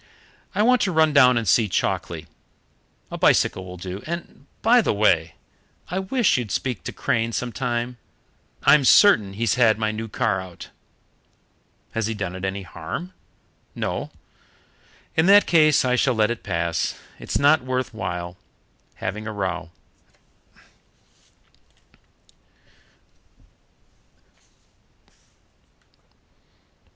I want to run down and see Chalkeley. A bicycle will do. And, by the way, I wish you'd speak to Crane some time. I'm certain he's had my new car out." "Has he done it any harm?" "No." "In that case I shall let it pass. It's not worth while having a row."